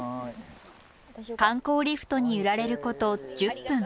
観光リフトに揺られること１０分。